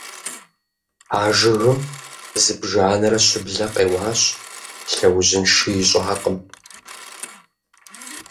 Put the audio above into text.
А жыгым зыбжанэрэ щыблэ къеуащ, лъэужьынши ищӀакъым.